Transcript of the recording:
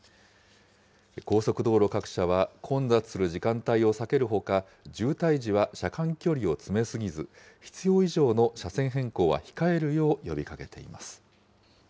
高速道路各社は、混雑する時間帯を避けるほか、渋滞時は車間距離を詰め過ぎず、必要以上の車線変更は控えるよう呼びかけています。